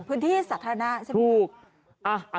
พื้นที่สาธารณะใช่ไหม